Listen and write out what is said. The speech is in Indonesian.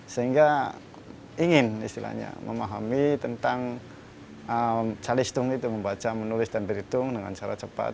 sehingga ingin istilahnya memahami tentang calistung itu membaca menulis dan berhitung dengan cara cepat